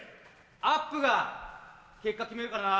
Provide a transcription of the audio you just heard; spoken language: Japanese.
アップが結果決めるからな。